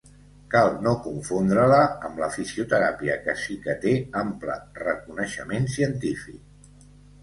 Cal no confondre-la amb la fisioteràpia que sí que té ample reconeixement científic.